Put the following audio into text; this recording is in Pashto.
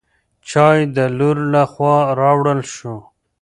چای د لور له خوا راوړل شو.